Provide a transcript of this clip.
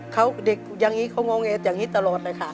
เขาเด็กอย่างนี้เขางอแงอย่างนี้ตลอดเลยค่ะ